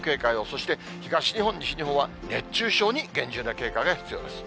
そして東日本、西日本は熱中症に厳重な警戒が必要です。